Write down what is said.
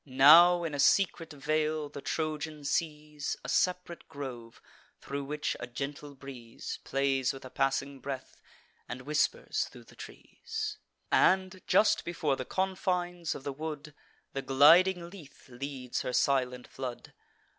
Now, in a secret vale, the Trojan sees A sep'rate grove, thro' which a gentle breeze Plays with a passing breath, and whispers thro' the trees; And, just before the confines of the wood, The gliding Lethe leads her silent flood.